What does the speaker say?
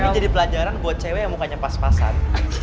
ini jadi pelajaran buat cewek yang mukanya pas pasan